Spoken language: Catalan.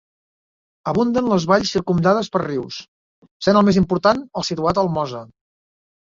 Abunden les valls circumdades per rius, sent el més important el situat al Mosa.